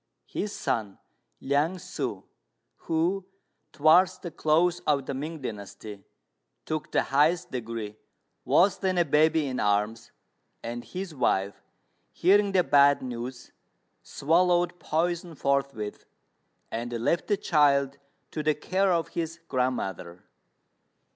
His son, Liang ssŭ, who, towards the close of the Ming dynasty, took the highest degree, was then a baby in arms; and his wife, hearing the bad news, swallowed poison forthwith, and left the child to the care of his grandmother.